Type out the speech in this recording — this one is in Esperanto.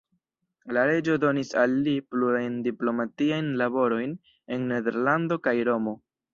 La reĝo donis al li plurajn diplomatiajn laborojn en Nederlando kaj Romo.